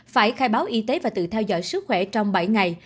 phải khai báo y tế và tự theo dõi sức khỏe trong bảy ngày